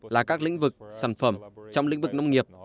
là các lĩnh vực sản phẩm trong lĩnh vực nông nghiệp